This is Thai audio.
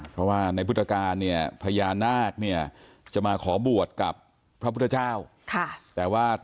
เพราะว่าในพุทธกาลพญานาคจะมาขอบวชกับพระพุทธเจ้า